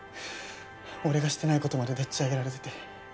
俺がしてないことまででっちあげられてて。